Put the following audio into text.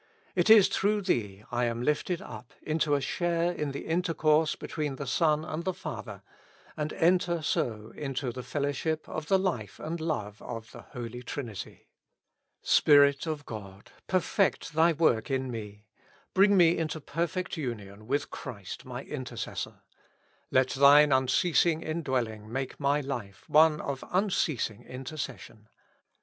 It is through Thee I am lifted up into a share in the intercourse between the Son and the Father, and enter so into the fellowship of the life and love of the Holy Trinity. Spirit of God 1 perfect Thy work in me ; bring me into perfect union with Christ my Intercessor. Let Thine unceasing indwell ing make my life one of unceasing intercession.